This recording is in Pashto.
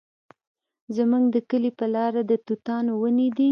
زموږ د کلي په لاره د توتانو ونې دي